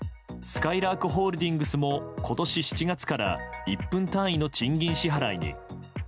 すかいらーくホールディングスも今年７月から１分単位の賃金支払いに。